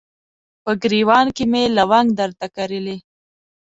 په ګریوان کې مې لونګ درته کرلي